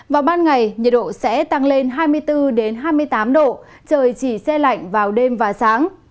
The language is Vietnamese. vào ban ngày nhiệt độ sẽ tăng lên hai mươi bốn hai mươi tám độ trời chỉ xe lạnh vào đêm và sáng